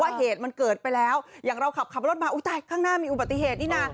เหตุมันเกิดไปแล้วอย่างเราขับรถมาอุ้ยตายข้างหน้ามีอุบัติเหตุนี่นะ